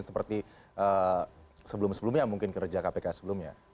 seperti sebelum sebelumnya mungkin kerja kpk sebelumnya